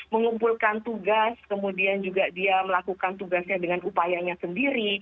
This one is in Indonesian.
mengumpulkan tugas kemudian juga dia melakukan tugasnya dengan upayanya sendiri